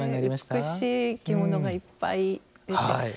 美しい着物がいっぱい。